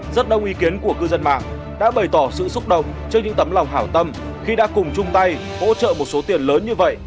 rất đông ý kiến của cư dân mạng đã bày tỏ sự xúc động trước những tấm lòng hảo tâm khi đã cùng chung tay hỗ trợ một số tiền lớn như vậy